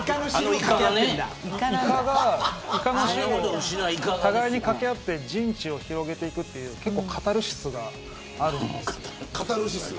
お互いに掛け合って陣地を広げていくというカタルシスがあるんです。